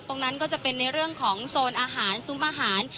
ตรงนั้นก็จะเป็นในเรื่องของโซนอาหารซุ้มอาหาร